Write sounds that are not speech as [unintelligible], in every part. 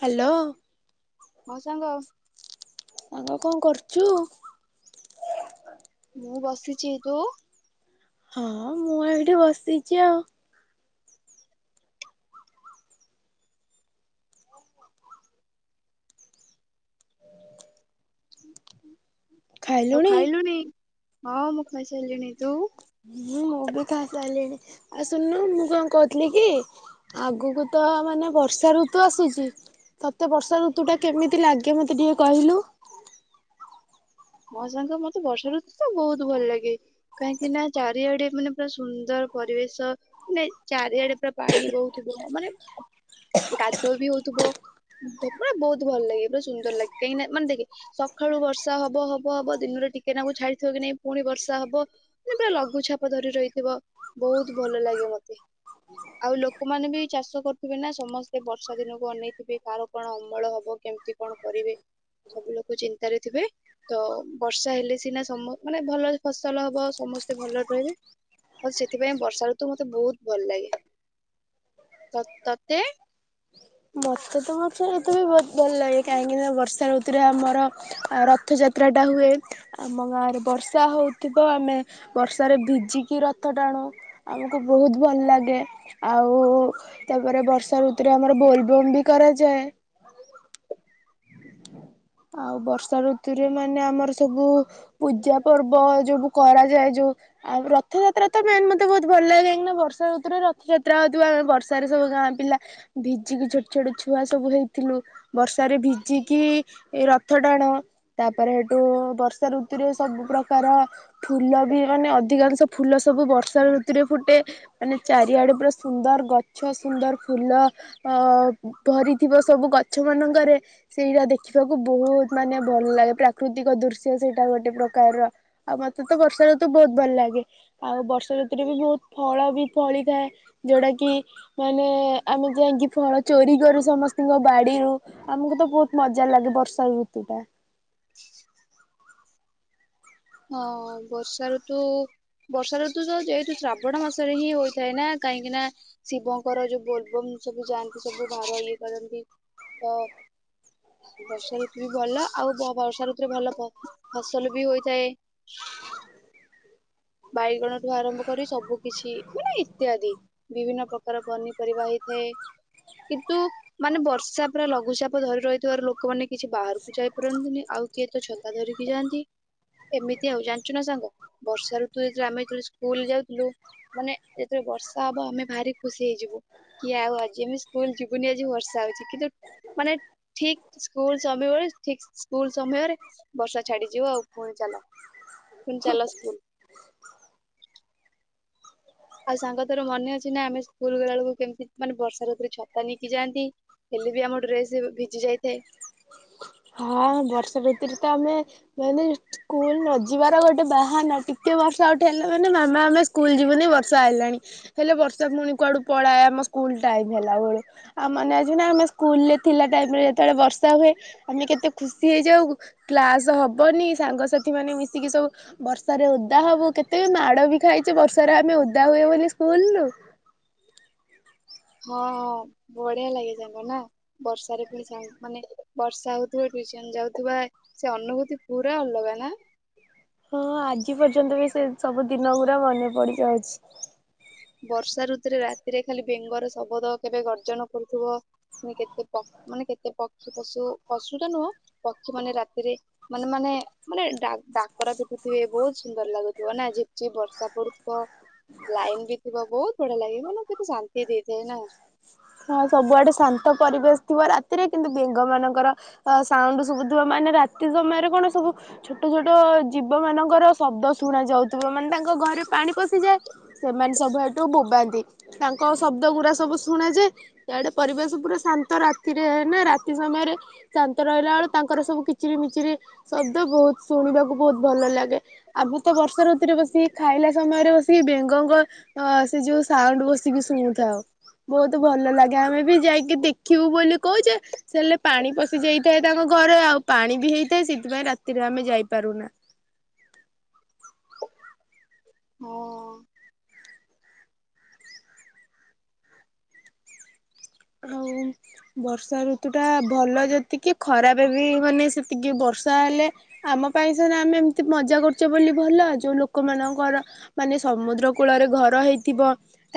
Hello. ମୋ ସାଙ୍ଗ ସାଙ୍ଗ କଣ କରୁଚୁ? ମୁଁ ବସିଚି ତୁ ହଁ ମୁଁ ଏଉ ଏଠି ବସିଛି ଆଉ ଆଉ ଖାଇଲୁଣି। ହଁ ମୁଁ ଖାଇସାରିଲିଣି ତୁ ହୁଁ ମୁଁ ବି ଖାଇସାରିଲିଣି ଆଉ ଶୁନନୁ ମୁଁ କଣ କହୁଥିଲି କି ଆଗକୁ ତ ମାନେ ବର୍ଷା ଋତୁ ଆସୁଛି ତତେ ବର୍ଷା ଋତୁ ଟା କେମିତି ଲାଗେ ମତେ ଟିକେ କହିଲୁ। ମୋ ସାଙ୍ଗ ମତେ ବର୍ଷା ଋତୁ ତ ବହୁତ ଭଲ ଲାଗେ। କାହିଁକି ନା ଚାରିଆଡେ ମାନେ ପୁରା ସୁନ୍ଦର ପରିବେଶ ମାନେ ଚାରିଆଡେ ପୁରା ପାଣି ବହୁଥିବ। ମାନେ କାଦୁଅ ବି ହଉଥିବ ତୋ ପୁରା ବହୁତ ଭଲ ଲାଗେ ପା ସୁନ୍ଦର ଲାଗେ କାହିଁକି ନା ମାନେ ଦେଖେ ସକାଳୁ ବର୍ଷା ହବ ହବ ହବ ହବା ଦିନରେ ଟିକେନାଗୁରୁ ଛାଡିଥିବ କି ନାଇଁ ପୁଣି ବର୍ଷା ହବ ସେ ପୁରା ଲଘୁଚଛାପ ଧରି ରହିଥିବ। ବହୁତ ଭଲ ଲାଗେ ମତେ ଆଉ ଲୋକମାନେ ବି ଚାଷ କରୁଥିବେ ନା ସମସ୍ତେ ବର୍ଷା ଦିନକୁ ଅନେଇଥିବେ। କାହାର କଣ ଅମଳ ହବ କେମିତି କଣ କରିବେ ସବୁ ଲୋକ ଚିନ୍ତାରେ ଥିବେ ତ ବର୍ଷା ହେଲେ ସିନା ସମୁ ମାନେ ଭଲ ଫସଲ ହବ ସମସ୍ତେ ଭଲରେ ରହିବେ। ଆଉ ସେଥିପାଇଁ ବର୍ଷା ଋତୁ ମତେ ବହୁତ ଭଲ ଲାଗେ ତ ତତେ [unintelligible] ବହୁତ ଭଲ ଲାଗେ କାହିଁକିନା ବର୍ଷା ଋତୁରେ ଆମର ରଥଯାତ୍ରାଟା ହୁଏ। ଆମ ବର୍ଷା ହେଉଥିବ ଆମେ ବର୍ଷାରେ ଭିଜିକି ରଥ ଟାଣୁ ଆମକୁ ବହୁତ ଭଲ ଲାଗେ ଆଉ ତାପରେ ବର୍ଷା ଋତୁରେ ଆମର ବୋଲବମ୍ ବି କରାଯାଏ। ଆଉ ବର୍ଷା ଋତୁରେ ମାନେ ଆମର ସବୁ ପୂଜା ପର୍ବ ଯୋବୁ କରାଯାଏ। ଯୋଉ ଆଉ ରଥଯାତ୍ରା ମେନ୍ ମତେ ବହୁତ ଭଲ ଲାଗେ କାଁକିନା ବର୍ଷା ଋତୁରେ ରଥଯାତ୍ରା ହଉଥିବ ଆମେ ବର୍ଷାରେ ସବୁ ଗାଁ ପିଲା ଭିଜିକି ଛୋଟ ଛୋଟ ଛୁଆ ସବୁ ହେଇଥିଲୁ ବର୍ଷାରେ ଭିଜିକି ଏ ରଥ ଟାଣୁ ତାପରେ ହେଠୁ ବର୍ଷା ଋତୁରେ ସବୁ ପ୍ରକାର ଫୁଲ ବି ମାନେ ଅଧିକାଂଶ ଫୁଲ ସବୁ ବର୍ଷା ଋତୁରେ ଫୁଟେ ମାନେ ଚାରିଆଡେ ପୁରା ସୁନ୍ଦର ଗଛ ସୁନ୍ଦର ଫୁଲ ଅ ଭରିଥିବ ସବୁ ଗଛ ମାନଙ୍କରେ ସେଇଟା ଦେଖି ଦେିବାକୁ ବହୁତ ମାନେ ଭଲ ଲାଗେ ପ୍ରାକୃତିକ ଦୃଶ୍ୟ ସେଇଟା ଗୋଟେ ପ୍ରକାରର ଆଉ ମତେ ତ ବର୍ଷା ଋତୁ ବହୁତ ଭଲ ଲାଗେ ଆଉ ବର୍ଷା ଋତୁରେ ବି ବହୁତ ଫଳ ବି ଫଳିଥାଏ। ଯୋଉଟା କି ମାନେ ଆମେ ଯାଇଙ୍କି ଫଳ ଚୋରି କରୁ ସମସ୍ତଙ୍କ ବାଡିରୁ। ଆମକୁ ତ ବହୁତ ମଜ ଯାହା ଲାଗେ ବର୍ଷାର ଋତୁ ଟା ହଁ ବର୍ଷା ଋତୁ ବର୍ଷା ଋତୁ ତ ଯେହେତୁ ଶ୍ରାବଣ ମାସରେ ହିଁ ହୋଇଥାଏ। ନା କାହିଁକି ନା ଶିବଙ୍କର ଯୋଉ ବୋଲବମ୍ ସବୁ ଯାଆନ୍ତି। ସବୁ ଭାବ ଇଏ କରନ୍ତି। ତ ବର୍ଷା ଋତୁ ବି ଭଲ ଆଉ ବର୍ଷା ଋତୁରେ ଭଲ ଫସଲ ବି ହୋଇଥାଏ। ହଁ। ବାଇଗଣଠୁ ଆରମ୍ଭ କରି ସବୁ କିଛି ମାନେ ଇତ୍ୟାଦି ବିଭିନ୍ନ ପ୍ରକାର ପନିପରିବା ହେଇଥାଏ କିନ୍ତୁ ମାନେ ବର୍ଷା ପୁରା ଲଘୁଚାପ ଧରି ରହିଥିବାରୁ ଲୋକମାନେ କିଛି ବାହାରକୁ ଯାଇପାରନ୍ତିନି ଆଉ କିଏ ତ ଛତା ଧରିକି ଯାଆନ୍ତି ଏମିତି ଆଉ ଜାଣିଛୁ ନା ସାଙ୍ଗ ବର୍ଷାର ତ ଯେ ଆମେ ଯେତେବେଳେ ସ୍କୁଲ ଯାଉଥିଲୁ ମାନେ ଯେତେବେଳେ ବର୍ଷା ହବ ଆମେ ଭାରି ଖୁସି ହେଇଯିବୁ କି ଆଉ ଆଜି ଆମେ ସ୍କୁଲ ଯିବୁନି ଆଜି ବର୍ଷା ହଉଛି କିନ୍ତୁ ମାନେ ଠିକ ସ୍କୁଲ ସମୟ ବେଳେ ଠିକ ସ୍କୁଲ ସମୟରେ ବର୍ଷା ଛାଡିଯିବ ଆଉ ପୁଣି ଚାଲ। ଫୁଣି ଚାଲ ସ୍କୁଲ୍। ଆଉ ସାଙ୍ଗ ତୋର ମନେ ଅଛି ନା ଆମେ ସ୍କୁଲ ଗଲାବେେଳକୁ କେମିତି ମାନେ ବର୍ଷା ଋତୁରେ ଛତା ନେଇକି ଯାଆନ୍ତି ହେଲେ ବି ଆମ ଡ୍ରେସ ଭିଜି ଯାଇଥାଏ ହଁ ବର୍ଷା ଭିତରେ ତ ଆମେ ମାନେ ସ୍କୁଲ ନ ଯିବାର ଗୋଟେ ବାହାନା ଟିକେ ବର୍ଷା ଉଠେଇଲା ମାନେ ମାମା ଆମେ ସ୍କୁଲ ଯିବୁନି ବର୍ଷା ଆଇଲାଣି ହେଲେ ବର୍ଷା ପୁଣି କୁଆଡୁ ପଳାଏ ଆମ ସ୍କୁଲ ଟାଇମ ହେଲା ବେଳୁ ଆଉ ମନେ ଅଛି ନା ଆମେ ସ୍କୁଲରେ ଥିଲା ଟାଇମରେ ଯେତେବେଳେ ବର୍ଷା ହୁଏ ଆମେ କେତେ ଖୁସି ହେଇଯାଉ କ୍ଲାସ ହବନି ସାଙ୍ଗସାଥି ମାନେ ମିଶିକି ସବୁ ବର୍ଷାରେ ଓଦା ହବୁ କେତେ ମାଡ ବି ଖାଇଛେ ବର୍ଷାରେ ଆମେ ଓଦା ହୁଏ ବୋଲି ସ୍କୁଲରୁୁ। ହଁ ହଁ ବଢିଆ ଲାଗେ ସାଙ୍ଗ ନା ବର୍ଷାରେ ପୁଣି ମାନେ ବର୍ଷା ହଉଥିବ ଟିଉସନ ଯାଉଥିବା ସେ ଅନୁଭୂତି ପୁରା ଅଲଗା ନା। ହଁ ହଁ ଆଜି ପର୍ଯ୍ୟନ୍ତ ବି ସେ ସବୁ ଦିନ ଗୁରା ମନେ ପଡ଼ି ଯାଉଛି। ବର୍ଷା ଋତୁରେ ରାତିରେ ଖାଲି ବେଙ୍ଗର ଶବଦ କେବେ ଗର୍ଜନ କରୁଥିବ କେତେ ମାନେ କେତେ ପକ୍ଷୀ ପଶୁ ପଶୁଟା ନୁହଁ ପକ୍ଷୀ ମାନେ ରାତିରେ ମାନେ ମାନେ ମାନେ ଡାକ ଡାକରା ପିଟୁଥିବେ ବହୁତ ସୁନ୍ଦର ଲାଗୁଥିବ ନା ଝିପଝିପ୍ ବର୍ଷା ପଡୁଥିବ ଲାଇନ ବି ଥିବ ବହୁତ ବଢିଆ ଲାଗିବ ମାନେ କେତେ ଶାନ୍ତି ଦେଇଥାଏ ନା। ହଁ ସବୁଆଡେ ଶାନ୍ତ ପରିବେଶ ଥିବ ରାତିରେ କିନ୍ତୁ ବେଙ୍ଗ ମାନଙ୍କର ସାଉଣ୍ଡ ଶୁଭୁଥିବ ମାନେ ରାତି ସମୟରେ କଣ ସବୁ ଛୋଟ ଛୋଟ ଜୀବ ମାନଙ୍କର ଶବ୍ଦ ଶୁଣା ଯାଉଥିବ ମାନେ ତାଙ୍କ ଘରେ ପାଣି ପଶିଯାଏ ସେମାନେ ସବୁ ଏଠୁ ବୋବାନ୍ତି ତାଙ୍କ ଶବ୍ଦ ଗୁରା ସବୁ ଶୁଣାଯାଏ ତା ଆଡ଼େ ପରିବେଶ ପୁରା ଶାନ୍ତ ରାତିରେ ନା ରାତି ସମୟରେ ଶାନ୍ତ ରହିଲା ବେଳେ ତାଙ୍କର ସବୁ କିଚିରି ମିଚିରି ଶବ୍ଦ ବହୁତ ଶୁଣିବାକୁ ବହୁତ ଭଲ ଲାଗେ ଆମେ ତ ବର୍ଷା ଋତୁରେ ବସିକି ଖାଇଲା ସମୟରେ ବସିକି ବେଙ୍ଗଙ୍କ ଅ ସେ ଯୋଉ ସାଉଣ୍ଡ ବସିକି ଶୁଣୁଥାଉ ବହୁତ ତ ଭଲ ଲାଗେ ଆମେ ବି ଯାଇକି ଦେଖିବୁ ବୋଲି କହୁଛେ ସେ ହେଲେ ପାଣି ପଶି ଯାଇଥାଏ ତାଙ୍କ ଘରେ ଆଉ ପାଣି ବି ହେଇଥାଏ ସେଥିପାଇଁ ରାତିରେ ଆମେ ଯାଇପାରୁନା। ହଁ। ଆଉ ବର୍ଷା ଋତୁ ଟା ଭଲ ଯେତିକି ଖରାପ ବି ମାନେ ସେତିକି ବର୍ଷା ହେଲେ ଆମ ପାଇଁ ସିନା ଆମେ ଏମିତି ମଜା କରୁଛେ ବୋଲି ଭଲ ଯୋଉ ଲୋକମାନଙ୍କର ମାନେ ସମୁଦ୍ର କୂଳରେ ଘର ହେଇଥିବ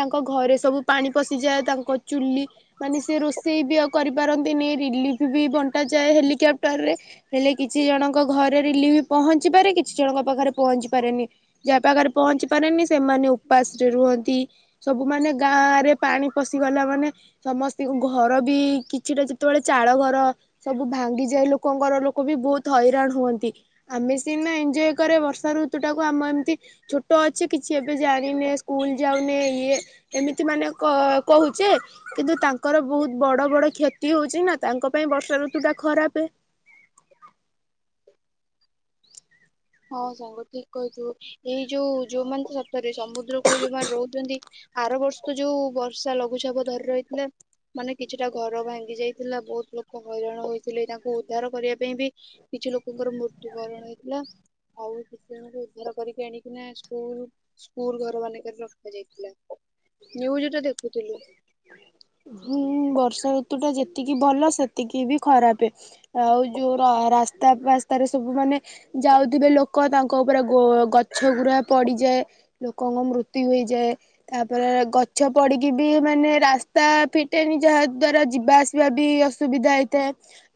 ତାଙ୍କ ଘରେ ସବୁ ପାଣି ପଶିଯାଏ ତାଙ୍କ ଚୁଲି ମାନେ ସେ ରୋଷେଇ ବି ଆଉ କରିପାରନ୍ତିନି ରିଲିଫ୍ ବି ବଣ୍ଟାଯାଏ ହେଲିକ୍ୟାପ୍ଟର ରେ ହେଲେ କିଛି ଜଣଙ୍କ ଘରେ ରିଲିଫ୍ ପହଞ୍ଚି ପାରେ କିଛି ଜଣଙ୍କ ପାଖରେ ପହଞ୍ଚି ପାରେନି ଯାହା ପାଖରେ ପହଞ୍ଚି ପାରେନି ସେମାନେ ଉପାସରେ ରୁହନ୍ତି ସବୁ ମାନେ ଗାଁ ରେ ପାଣି ପଶିଗଲା ମାନେ ସମସ୍ତଙ୍କ ଘର ବି କିଛିଟା ଯେତେବେଳେ ଚାଳ ଘର ସବୁ ଭାଙ୍ଗିଯାଏ ଲୋକଙ୍କର ଲୋକ ବି ବହୁତ ହଇରାଣ ହୁଅନ୍ତି ଆମେ ସିନା ଏଞ୍ଜୟ କରେ ବର୍ଷା ଋତୁ ଟାକୁ ଆମ ଏମିତି ଛୋଟ ଅଛେ କିଛି ଏବେ ଜାଣିନେ ସ୍କୁଲ ଯାଉନେ ଇଏ ଏମିତି ମାନେ କହୁଛେ କିନ୍ତୁ ତାଙ୍କ ତାଙ୍କର ବହୁତ ବଡ଼ ବଡ଼ କ୍ଷତି ହଉଛି ନା ତାଙ୍କ ପାଇଁ ବର୍ଷା ଋତୁ ଟା ଖରାପେ ହଁ ସାଙ୍ଗ ଠିକ କହିଥିଲୁ ଏଇ ଯୋଉ ଯୋଉମାନେ ଘର କରି ସମୁଦ୍ର କୂଳରେ ଯୋଉମାନେ ରହୁଛନ୍ତି ଆର ବର୍ଷ ତ ଯୋଉ ବର୍ଷା ଲଘୁଚାପ ଧରି ରହିଥିଲା ମାନେ କିଛିଟା ଘର ଭାଙ୍ଗି ଯାଇଥିଲା ବହୁତ ଲୋକ ହଇରାଣ ହୋଇଥିଲେ ତାଙ୍କୁ ଉଦ୍ଧାର କରିବା ପାଇଁ ବି କିଛି ଲୋକଙ୍କର ମୃତ୍ୟୁବରଣ ହୋଇଥିଲା ଆଉ ସେ ଜଣଙ୍କୁ ଉଦ୍ଧାର କରିକି ଆଣିକିନା ସ୍କୁଲ୍ ସ୍କୁଲ ଘର ମାନଙ୍କରେ ରଖାଯାଇଥିଲା ଯେଉଁ ବି ତ ଦେଖୁଥିଲୁ ହୁଁ ବର୍ଷା ଋତୁ ଟା ଯେତିକି ଭଲ ସେତିକି ବି ଖରାପ ଆଉ ଯୋଉ ରାସ୍ତା ପାସ୍ତାରେ ସବୁ ମାନେ ଯାଉଥିବେ ଲୋକ ତାଙ୍କ ଉପରେ ଗଛ ଗୁୁରା ପଡ଼ିଯାଏ ଲୋକଙ୍କ ମୃତ୍ୟୁ ହୋଇଯାଏ ତାପରେ ଗଛ ପଡିକି ବି ମାନେ ରାସ୍ତା ରାସ୍ତା ଫିଟେନି ଯାହା ଦ୍ଵାରା ଯିବା ଆସିବା ବି ଅସୁବିଧା ହେଇଥାଏ।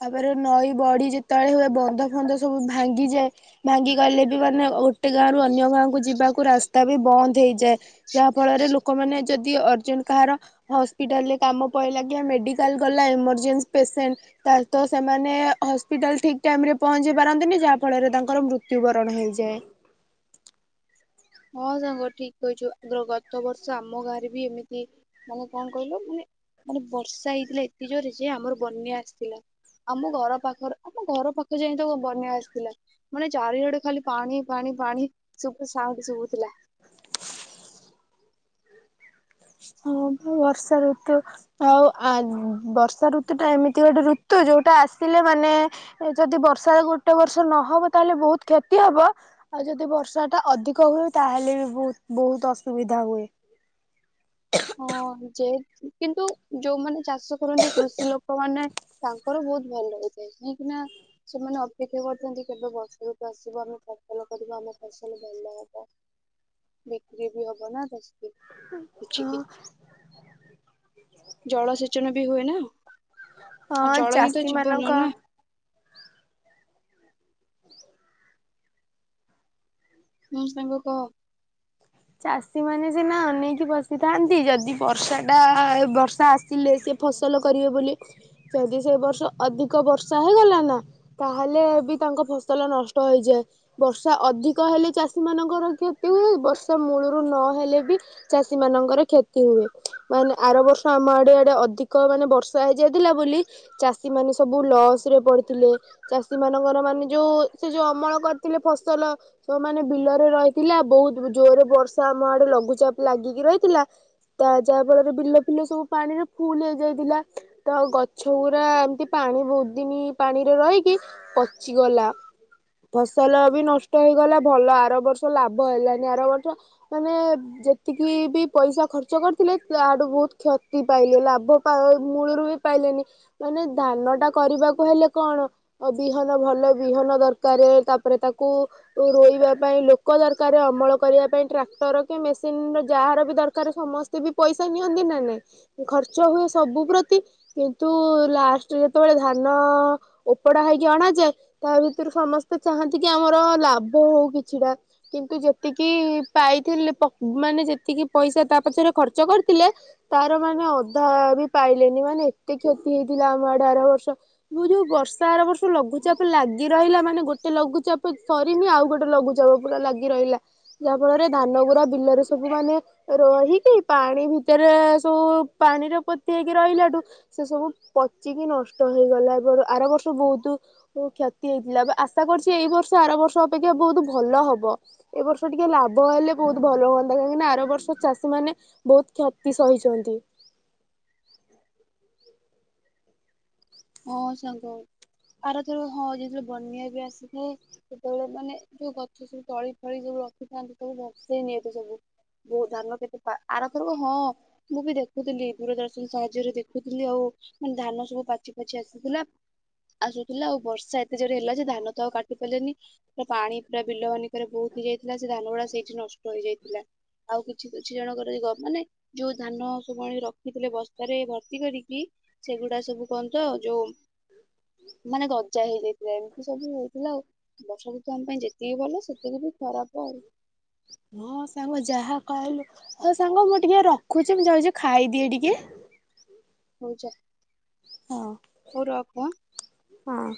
ତାପରେ ନଈ ବଢ଼ି ଯେତେବେଳେ ହୁଏ ବନ୍ଧ ଫନ୍ଧ ସବୁ ଭାଙ୍ଗିଯାଏ ଭାଙ୍ଗି ଗଲେ ବି ମାନେ ଗୋଟେ ଗାଁରୁ ଅନ୍ୟ ଗାଁ କ ଯିବାକୁ ରାସ୍ତା ବି ବନ୍ଦ ହେଇଯାଏ ଯାହା ଫଳରେ ଲୋକମାନେ ଯଦି ଅର୍ଜେଣ୍ଟ କାହାର ହସ୍ପିଟାଲ୍ ହିଟାଲ କାମ ପହିଲା କି ମେଡିକାଲ ଗଲା ଏମରଜେନ୍ସି ପେସେଣ୍ଟ ତାହାଲେ ତ ସେମାନେ ହସ୍ପିଟାଲ୍ ଠିକ୍ ଟାଇମ୍ ରେ ପହଞ୍ଚି ପରାନ୍ତିଁ ମେଡିକାଲ୍ ଗଲା ଏମର୍ଜେନ୍ସି ପେସେଣ୍ଟ ତାହେଲେ ତ ସେମାନେ ହସ୍ପିଟାଲ ଠିକ୍ ଟାଇମ୍ ରେ ପହଞ୍ଚି ପାରନ୍ତିନି ଯାହା ଫଳରେ ତାଙ୍କର ମୃତ୍ୟୁବରଣ ହେଇଯାଏ। ହଁ ସାଙ୍ଗ ଠିକ କହିଛୁ ଆଗର ଗତ ବର୍ଷ ଆମ ଗାଁରେ ବି ଏମିତି ମାନେ କଣ କହିଲୁ ମାନେ ମାନେ ବର୍ଷା ହେଇଥିଲା ଏତେ ଜୋରେ ଯେ ଆମର ବନ୍ୟା ଆସିଥିଲା ଆମ ଘର ପାଖରେ ଆମ ଘର ପାଖରେ ଯାଇ ତ ବନ୍ୟା ଆସିଥିଲା ମାନେ ଚାରିଆଡ଼େ ଖାଲି ପାଣି ପାଣି ପାଣି ସବୁ ଯୋଉ ଥିଲା। ହଁ ବର୍ଷା ଋତୁ ଆଉ ବର୍ଷା ଋତୁ ଆଉ ବର୍ଷା ଋତୁ ଟା ଏମିତି ଗୋଟେ ଋତୁ ଯୋଉଟା ଆସିଲେ ମାନେ ଯଦି ବର୍ଷା ଗୋଟେ ବର୍ଷ ନହବ ତାହେଲେ ବହୁତ କ୍ଷତି ହବ ଆଉ ଯଦି ବର୍ଷା ଟା ଅଧିକ ହୁଏ ତାହେଲେ ବି ବହୁତ ବହୁତ ଅସୁବିଧା ହୁଏ। ହଁ ଯେ କିନ୍ତୁ ଯୋଉମାନେ ଚାଷ କରନ୍ତି କୃଷି ଲୋକ ମାନେ ତାଙ୍କର ବହୁତ ଭଲ ହେଇଥାଏ କାହିଁକି ନା ସେମାନେ ଅପେକ୍ଷା କରୁଛନ୍ତି କେବେ ବର୍ଷା ଋତୁ ଆସିବ ଆମେ ଫସଲ କରିବ ଆମ ଫସଲ ଭଲ ହବ ବିକ୍ରି ବି ହବ ନା ତ ସେଥିପାଇଁ ହଁ। ଜଳସେଚନ ବି ହୁଏନା। ହଁ ଚାଷୀ ମାନଙ୍କ ନା [inaudible] ହୁଁ ସାଙ୍ଗ କହ। ଚାଷୀମାନେ ସିନା ଅନେଇକି ବସିଥାନ୍ତି ଯଦି ବର୍ଷା ଟା ବର୍ଷା ଆସିଲେ ସେ ଫସଲ କରିବେ ବୋଲି ଯଦି ସେ ବର୍ଷ ଅଧିକ ବର୍ଷା ହେଇଗଲା ନା ତାହେଲେ ବି ତାଙ୍କ ଫସଲ ନଷ୍ଟ ହେଇଯାଏ ବର୍ଷା ଅଧିକ ହେଲେ ଚାଷୀ ମାନଙ୍କର କ୍ଷତି ହୁଏ ବର୍ଷା। ତ ମୂଳରୁ ନହେଲେ ବି ଚାଷୀ ମାନଙ୍କର କ୍ଷତି ହୁଏ ମାନେ ଆର ବର୍ଷ ଆମ ଆଡେ ଆଡେ ଅଧିକ ମାନେ ବର୍ଷା ହେଇଯାଇଥିଲା ବୋଲି ଚାଷୀ ମାନେ ସବୁ ଲସ୍ ରେ ପଡିଥିଲେ ଚାଷୀ ମାନଙ୍କର ମାନେ ଯୋଉ ସେ ଯୋଉ ଅମଳ କରିଥିଲେ ଫସଲ ସବୁ ମାନେ ବିଲରେ ରହିଥିଲା ବହୁତ। ଜୋରରେ ବର୍ଷା ଆମ ଆଡେ ଲଘୁଚାପ ଲାଗିକି ରହିଥିଲା ତା ଯାହା ଫଳରେ ବିଲ ଫିଲ ସବୁ ପାଣିରେ ଫୁଲ ହେଇଯାଇଥିଲା ତ ଗଛ ଗୁରା ଏମିତି ପାଣି ବହୁତ ଦିନ ପାଣିରେ ରହିକି ପଚିଗଲା ଫସଲ ବି ନଷ୍ଟ ହେଇଗଲା ଭଲ ଆର ବର୍ଷ ଲାଭ ହେଲାନି। ଆରବର୍ଷ ମାନେ ଯେତିକି ବି ପଇସା ଖର୍ଚ୍ଚ କରିଥିଲେ ତାଠୁ ବହୁତ କ୍ଷତି ପାଇଲେ ଲାଭ ପା ମୂଳରୁ ବି ପାଇଲେନି ମାନେ ଧାନ ଟା କରିବାକୁ ହେଲେ କଣ ବିହନ ଭଲ ବିହନ ଦରକାର ତାପରେ ତାକୁ ରୋଇବା ପାଇଁ ଲୋକ ଦରକାର ଅମଳ କରିବା ପାଇଁ ଟ୍ରାକ୍ଟର କି ମେସିନ୍ ର ଯାହାର ବି ଦରକାର ସମସ୍ତେ ବି ପଇସା ନିଅନ୍ତି ନା ନାହିଁ ଖର୍ଚ୍ଚ ହୁଏ ସବୁ ପ୍ରତି କିନ୍ତୁ ଲାଷ୍ଟ ଯେତେବେଳେ ଧାନ ଅ ଓପଡ଼ା ହେକି ଅଣାଯାଏ ତା ଭିତରୁ ସମସ୍ତେ ଚାହାନ୍ତି କି ଆମର ଲାଭ ହଉ କିଛିଟା କିନ୍ତୁ ଯେ ଏତିକି ପାଇଥିଲେ ମାନେ ଯେତିକି ପଇସା ତା ପଛରେ ଖର୍ଚ୍ଚ କରିଥିଲେ ତାର ମାନେ ଅଧା ବି ପାଇଲେନି ମାନେ ଏତେ କ୍ଷତି ହେଇଥିଲା ଆମ ଆଡେ ଆର ବର୍ଷ ମୁଁ ଯୋଉ ବର୍ଷା ଆର ବର୍ଷ ଲଘୁଚାପ ଲାଗେ ରହିଲା ମାନେ ଗୋଟେ ଲଘୁଚାପ ସରିନି ଆଉ ଗୋଟେ ଲଘୁଚାପ ପୁରା ଲାଗି ରହିଲା। ଯାହା ଫଳରେ ଧାନ ଗୁଡା ବିଲରେ ସବୁ ମାନେ ଏ ରହିକି ପାଣି ଭିତରେ ସବୁ ପାଣିର ପୋତି ହେଇକି ରହିଲାଠୁ ସେ ସବୁ ପଚିକି ନଷ୍ଟ ହେଇଗଲା ଏ ଆର ବର୍ଷ ବହୁତ କ୍ଷତି ହେଇଥିଲା ଆଶା କରୁଛି ଏଇ ବର୍ଷ ଆର ବର୍ଷ ଅପେକ୍ଷା ବହୁତ ଭଲ ହବ। ଏ ବର୍ଷ ଟିକେ ଲାଭ ହେଲେ ବହୁତ ଭଲ ହୁଅନ୍ତା କାହିଁକି ନା ଆର ବର୍ଷ ଚାଷୀ ମାନେ ବହୁତ କ୍ଷତି ସହିଛନ୍ତି। ହଁ ସାଙ୍ଗ ଆରଥର ହଁ ଯେତେବେଳେ ବନ୍ୟା ବି ଆସିଥାଏ ସେତେବେଳେ ମାନେ ଯୋଉ ଗଛ ସବୁ ତଳି ଫଳି ସବୁ ରଖିଥାନ୍ତି ସବୁ ଭସେଇ ନେଇତେ ସବୁ ବ ଧାନ କେତେ ଆରଥର ହଁ ମୁଁ ବି ଦେଖୁଥିଲି ଦୂରଦର୍ଶନ ସାହାଯ୍ୟରେ ଦେଖୁଥିଲି ଆଉ ମାନେ ଧାନ ସବୁ ପାଚି ଆଛା ଆସୁଥିଲା ଆସୁଥିଲା ଆଉ ବର୍ଷା ଏତେ ଜୋରେ ହେଲା ଯେ ଧାନ ତ ଆଉ କାଟି ପାରିଲେନି ପୁରା ପାଣି ପୁରା ବିଲ ମାନଙ୍କରେ ବହୁତ ହେଇଯାଇଥିଲା ସେ ଧାନ ଗୁଡା ସେଇଠି ନଷ୍ଟ ରହିଯାଇଥିଲା। ଆଉ କିଛି କିଛି ଜଣଙ୍କର ମାନେ ଯୋଉ ଧାନ ସବୁଆଣି ରଖିଥିଲେ ବସ୍ତାରେ ଭର୍ତ୍ତି କରିକି ସେଗୁଡା ସବୁ କଣ ତ ଯୋଉ ମାନେ ଗଜା ହେଇଯାଇଥିଲା ଏମିତି ସବୁ ହେଇଥିଲା ଆଉ ବର୍ଷା ଋତ ଆମ ପାଇଁ ଯେତିକି ଭଲ ସେତିକି ବି ଖରାପ ଆଉ ହଁ ସାଙ୍ଗ ଯାହା କହିଲୁ ହଉ ସାଙ୍ଗ ମୁଁ ଟିକେ ରଖୁଛି ମୁଁ ଯାଉଛି ଖାଇଦିଏ ଟିକେ? ହଉ ଯା। ହଁ ହଉ ରଖ ଆଁ। ହଁ